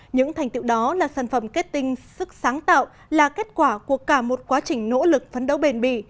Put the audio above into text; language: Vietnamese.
những thành tiệu đó là sản phẩm kết tinh sức sáng tạo là kết quả của cả một quá trình nỗ lực phấn đấu bền bì